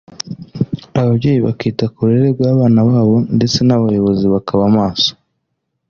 ababyeyi bakita ku burere bw’abana babo ndetse n’abayobozi nabo bakaba maso